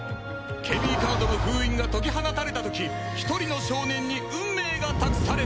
ケミーカードの封印が解き放たれた時一人の少年に運命が託された